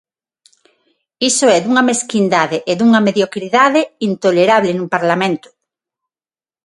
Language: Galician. Iso é dunha mesquindade e dunha mediocridade intolerable nun parlamento.